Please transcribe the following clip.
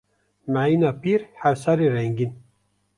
Mehîna pîr, hefsarê rengîn.